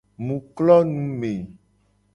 Mu klo nume.